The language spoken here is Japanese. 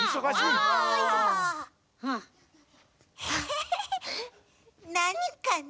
ヘヘヘヘなにかな？